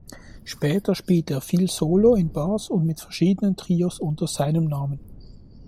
Später spielte er viel Solo in Bars und mit verschiedenen Trios unter seinem Namen.